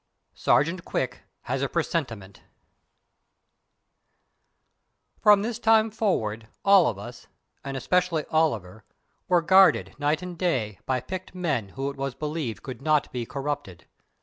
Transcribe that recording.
SERGEANT QUICK HAS A PRESENTIMENT From this time forward all of us, and especially Oliver, were guarded night and day by picked men who it was believed could not be corrupted.